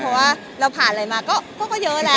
เพราะว่าเราผ่านอะไรมาก็เยอะแล้ว